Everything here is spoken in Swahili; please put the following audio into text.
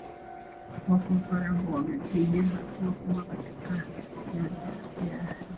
Wapo wapare ambao wamepiga hatua kubwa katika nyanja ya siasa